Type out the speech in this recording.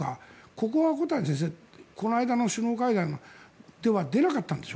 ここは小谷先生はこの間の首脳会談では出なかったんですよ